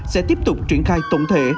sẽ tiếp tục triển khai tổng thể